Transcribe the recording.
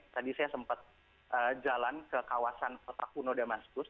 tadi saya sempat jalan ke kawasan kota kuno damaskus